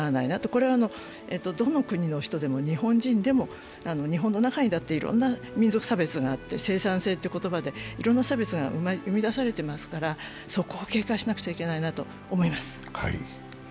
これはどの国の人でも日本人でも日本の中にだっていろんな民族差別があって、生産性という言葉でいろんな差別が生み出されていますから、警戒しないといけないと思います。